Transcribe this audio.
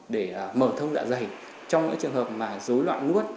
để mở thông dạ dày trong những trường hợp mà dối loạn nuốt